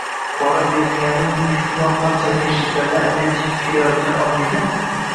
pora berilgani uning shundoq ham chalkashliklardan aziyat chekib kelayotgan ongini